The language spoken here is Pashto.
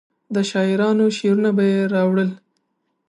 د شاعرانو شعرونه به یې راوړل.